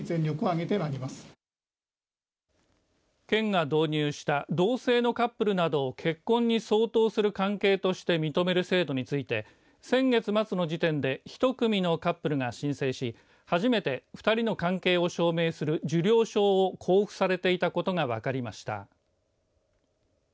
県が導入した同性のカップルなどを結婚に相当する関係として認める制度について先月末の時点で１組のカップルが申請し初めて２人の関係を証明する受領証を交付されていたことが分かりました。